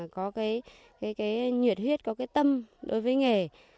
có cái nhiệt huyết có cái tâm đối với nghề